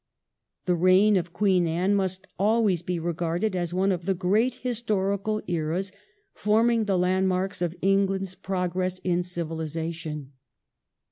The reign of Queen Anne must always be regarded as one of the great historical eras forming the land marks of England's progress in civilization.